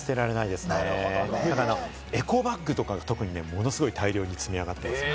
エコバッグとかがものすごい大量に積み上がっています。